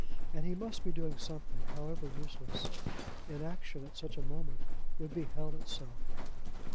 And he must be doing something, however useless: inaction at such a moment would be hell itself!